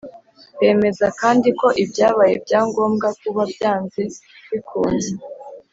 bemeza kandi ko ibyabaye byagombaga kuba byanze bikunze